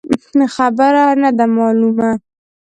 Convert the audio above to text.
خبره نه ده مالونه.